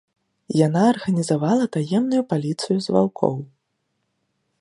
Яна арганізавала таемную паліцыю з ваўкоў.